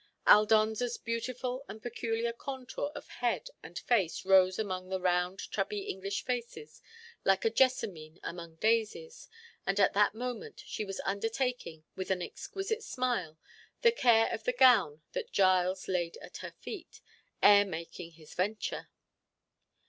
Aldonza's beautiful and peculiar contour of head and face rose among the round chubby English faces like a jessamine among daisies, and at that moment she was undertaking, with an exquisite smile, the care of the gown that Giles laid at her feet, ere making his venture.